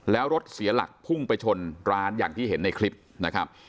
แล้วรถเสียหลักพุ่งไปชนร้านอย่างที่เห็นในคลิปนะครับ